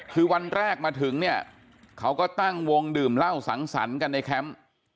คือวันแรกมาถึงเนี่ยเขาก็ตั้งวงดื่มเหล้าสังสรรค์กันในแคมป์